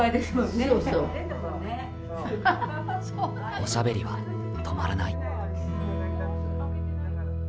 おしゃべりは止まらない。